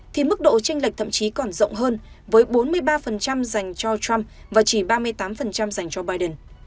thì mức độ tranh lệch thậm chí còn rộng hơn với bốn mươi ba dành cho trump và chỉ ba mươi tám dành cho biden